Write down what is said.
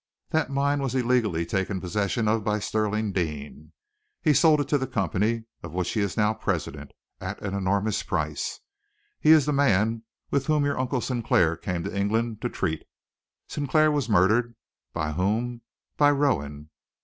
That mine was illegally taken possession of by Stirling Deane. He sold it to the company, of which he is now president, at an enormous price. He is the man with whom your Uncle Sinclair came to England to treat. Sinclair was murdered. By whom? By Rowan.